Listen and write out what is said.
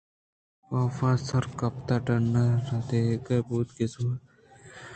کاف سرگِپت ءُڈنّءَ رہادگ بوت کہ سُبارگ ءَبہ روت ءُبیاریت بلئے یک رندے پدا ٹیچر ءَ آئی ءَ راچہ پُشت ءَگوانگ جت